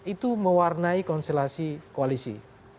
itu mewarnai konstelasi koalisi